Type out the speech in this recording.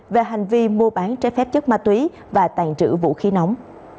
về hành vi mua bán trái phép chất ma túy và tàn trữ vũ khí nóng